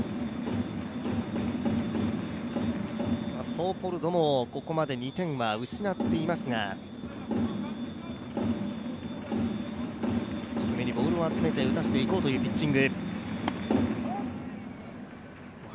ソーポルドもここまで２点は失っていますが低めにボールを集めて打たせていこうというピッチング。